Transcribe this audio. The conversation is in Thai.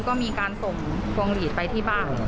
ก็มีการส่งพวงหลีดไปที่บ้าน